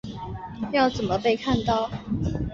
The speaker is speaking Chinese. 要怎么被看到